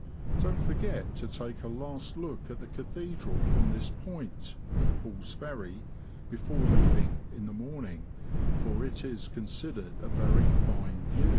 Don't forget to take a last look at the Cathedral from this point (Pull's Ferry) before leaving in the morning, for it is considered a very fine view.